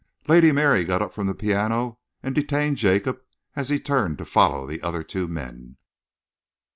Lady Mary got up from the piano and detained Jacob as he turned to follow the other two men.